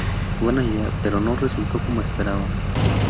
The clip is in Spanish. Buena idea... pero no resultó como esperaba.